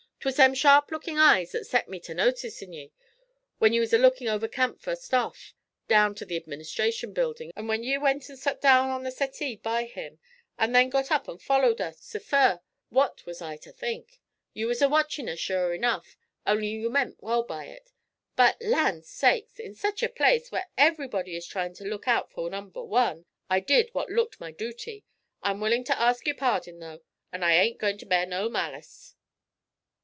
'Twas them sharp lookin' eyes that set me ter noticin' ye, when you was lookin' over Camp fust off, down to the Administration Building, and when you went an' sot down on the settee by him, an' then got up an' followed us so fur, what was I to think? You was a watchin' us sure enough, only you meant well by it. But, land sakes! in sech a place, where everybody is tryin' to look out fur number one, I did what looked my dooty. I'm willin' to ask yer pardon, though, and I ain't goin' ter bear no malice.'